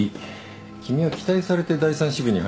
君は期待されて第３支部に配属された。